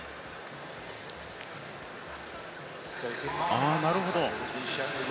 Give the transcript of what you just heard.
あ、なるほど。